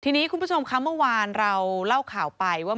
ทีนี้คุณผู้ชมคะเมื่อวานเราเล่าข่าวไปว่า